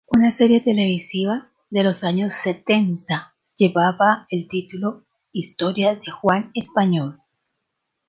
Una serie televisiva de los años setenta llevaba el título "Historias de Juan Español".